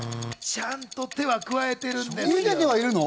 ちゃんと手は加えているんです。